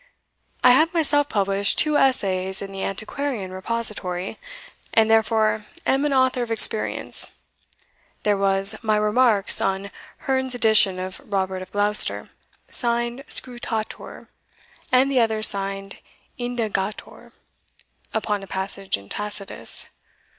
I have myself published two essays in the Antiquarian Repository, and therefore am an author of experience, There was my Remarks on Hearne's edition of Robert of Gloucester, signed Scrutator; and the other signed Indagator, upon a passage in Tacitus.